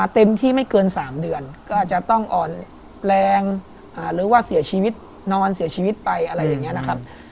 เต็มที่ไม่เกิน๓เดือนก็อาจจะต้องอ่อนแรงหรือว่าเสียชีวิตนอนเสียชีวิตไปอะไรอย่างนี้นะครับ